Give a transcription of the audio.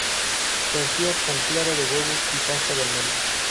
Se hacían con clara de huevo y pasta de almendra.